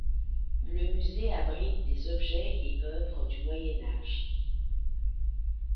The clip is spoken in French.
Le musée abrite des objets et œuvres du Moyen âge.